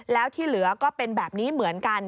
แล้วที่เหลือก็เป็นแบบนี้เหมือนกัน